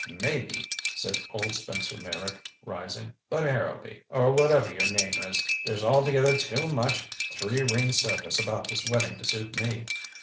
"Maybe," said old Spencer Meyrick, rising. "But Harrowby or whatever your name is there's altogether too much three ring circus about this wedding to suit me.